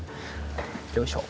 よいしょ。